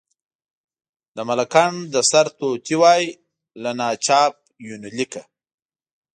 د ملکنډ د سرتوتي وی، له ناچاپ یونلیکه.